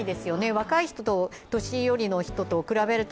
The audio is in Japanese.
若い人と年寄りの人とを比べると